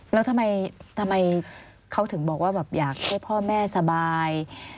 แล้วทำไมเขาถึงบอกว่าแบบอยากให้พ่อแม่สบาย